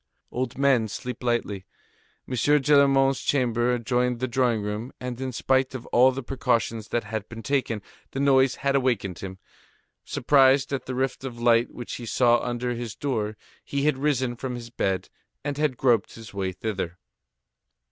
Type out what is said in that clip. Old men sleep lightly; M. Gillenormand's chamber adjoined the drawing room, and in spite of all the precautions that had been taken, the noise had awakened him. Surprised at the rift of light which he saw under his door, he had risen from his bed, and had groped his way thither.